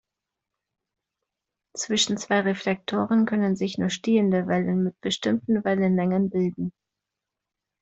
Zwischen zwei Reflektoren können sich nur stehende Wellen mit bestimmten Wellenlängen bilden.